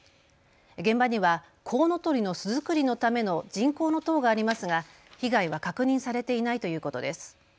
現場にはコウノトリの巣作りのための人工の塔がありますが被害は確認されていないということです。